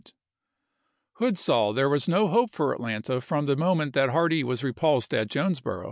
Hood saw there was no hope for Atlanta from the moment that Hardee was repulsed at Jonesboro.